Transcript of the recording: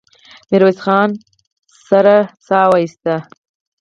ميرويس خان سړه سا وايسته.